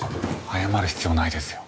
謝る必要ないですよ。